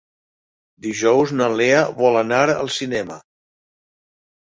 Dijous na Lea vol anar al cinema.